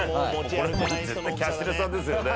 これもう絶対キャッシュレス派ですよね。